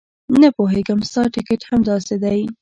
نه پوهېږم ستا ټیکټ همداسې دی.